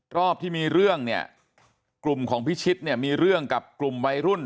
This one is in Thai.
รอบที่มีเรื่องเนี่ยกลุ่มของพิชิตเนี่ยมีเรื่องกับกลุ่มวัยรุ่น